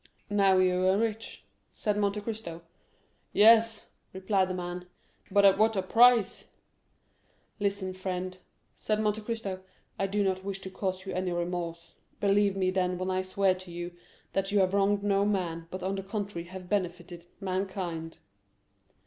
"Now you are rich," said Monte Cristo. "Yes," replied the man, "but at what a price!" "Listen, friend," said Monte Cristo. "I do not wish to cause you any remorse; believe me, then, when I swear to you that you have wronged no man, but on the contrary have benefited mankind."